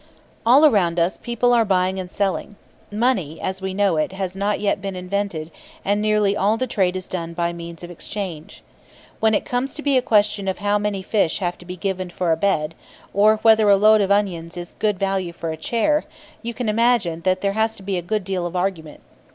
All around us people are buying and selling. Money, as we know it, has not yet been invented, and nearly all the trade is done by means of exchange. When it comes to be a question of how many fish have to be given for a bed, or whether a load of onions is good value for a chair, you can imagine that there has to be a good deal of argument.